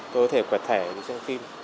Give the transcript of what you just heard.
tôi có thể quẹt thẻ đi xem phim